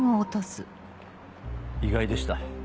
意外でした。